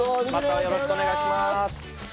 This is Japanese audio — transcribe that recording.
またよろしくお願いします。